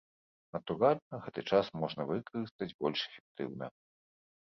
Натуральна, гэты час можна выкарыстаць больш эфектыўна.